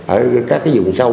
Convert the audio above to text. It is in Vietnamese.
ở các cái vùng sâu